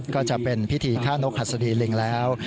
ก็จะเป็นพิธีฆ่านกหัสดีลิงแล้ว